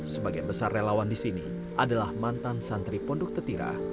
sebagian besar relawan di sini adalah mantan santri pondok tetira